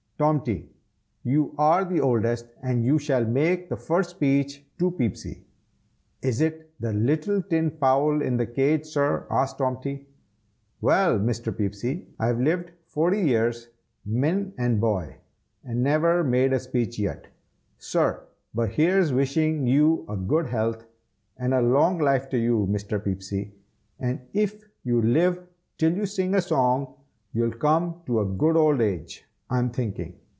Tomty, you are the oldest, and you shall make the first speech to Peepsy." "Is it the little tin fowl in the cage, sir?" asked Tomty. "Well, Mr. Peepsy, I've lived forty years, men and boy, and never made a speech yet, sir, but here's wishing you good health, and long life to you, Mr. Peepsy; and if you live till you sing a song, you'll come to a good old age, I'm thinking."